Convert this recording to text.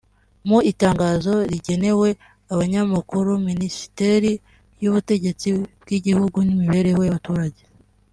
Mu itangazo rigenewe abanyamakuru Minisiteri y’Ubutegetsi bw’Igihugu n’imibereho y’abaturage